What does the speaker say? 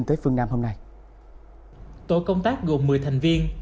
tổ công tác gồm một mươi thành viên